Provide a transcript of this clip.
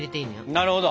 なるほど！